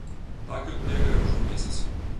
Так ён бегае ўжо месяц.